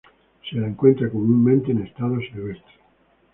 Se la encuentra comúnmente en estado silvestre.